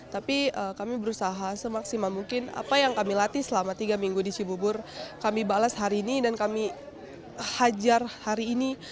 tapi kami berusaha semaksimal mungkin apa yang kami latih selama tiga minggu di cibubur kami balas hari ini dan kami hajar hari ini